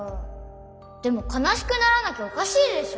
でもかなしくならなきゃおかしいでしょ。